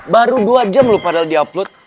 baru dua jam lho padahal di upload